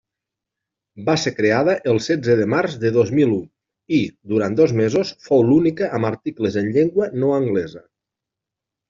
Va ser creada el setze de març de dos mil u i, durant dos mesos, fou l'única amb articles en llengua no anglesa.